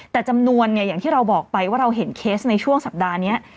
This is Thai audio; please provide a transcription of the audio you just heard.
แต่จำนวนเนี่ยอย่างที่เราบอกไปว่าเราเห็นเคสในช่วงสัปดาห์นี้